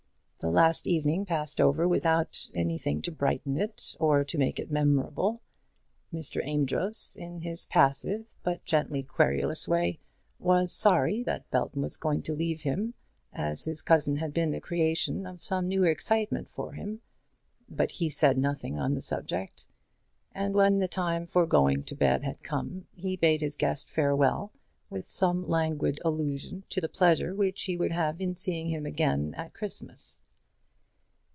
The last evening passed over without anything to brighten it or to make it memorable. Mr. Amedroz, in his passive, but gently querulous way, was sorry that Belton was going to leave him, as his cousin had been the creation of some new excitement for him, but he said nothing on the subject; and when the time for going to bed had come, he bade his guest farewell with some languid allusion to the pleasure which he would have in seeing him again at Christmas.